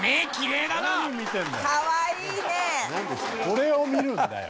これを見るんだよ！